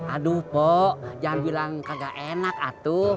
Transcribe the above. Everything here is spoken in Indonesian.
aduh po jangan bilang kagak enak atuh